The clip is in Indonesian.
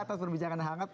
atas perbincangan hangat